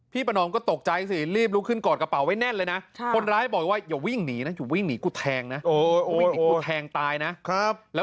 พี่ประนอมก็ตกใจสิรีบลุกขึ้นกอดกระเป๋าไว้แน่นเลยนะ